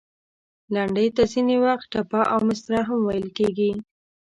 لنډۍ ته ځینې وخت، ټپه او مصره هم ویل کیږي.